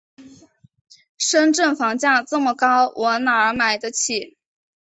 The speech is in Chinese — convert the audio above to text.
深圳房价这么高，我哪儿买得起？